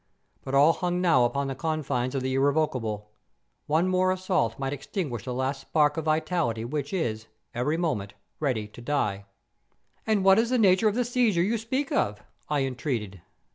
But all hung now upon the confines of the irrevocable. One more assault might extinguish the last spark of vitality which is, every moment, ready to die. "'And what is the nature of the seizure you speak of?' I entreated.